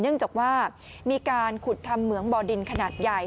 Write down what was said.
เนื่องจากว่ามีการขุดทำเหมืองบ่อดินขนาดใหญ่